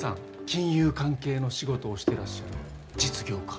金融関係の仕事をしてらっしゃる実業家。